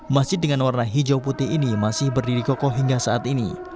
masjid dengan warna hijau putih ini masih berdiri kokoh hingga saat ini